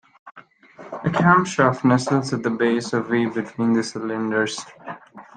A camshaft nestles at the base of the V between the cylinders.